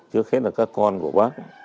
trước hết là các con của bác